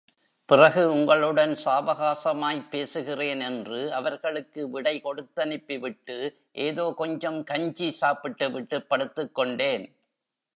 பிறகு உங்களுடன் சாவகாசமாய்ப் பேசுகிறேன் என்று அவர்களுக்கு விடை கொடுத்தனுப்பிவிட்டு, ஏதோ கொஞ்சம் கஞ்சி சாப்பிட்டுவிட்டுப் படுத்துக் கொண்டேன்.